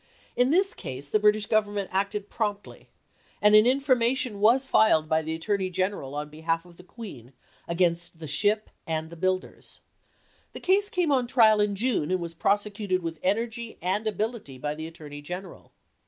In this case the British Government acted promptly and an infor mation was filed by the Attorney General on behalf of the Queen against the ship and the builders. 1863. The case came on for trial in June and was pros ecuted with energy and ability by the Attorney General.